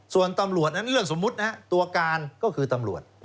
ส่วนตำรวจนั้นเรื่องสมมุตินะฮะตัวการก็คือตำรวจ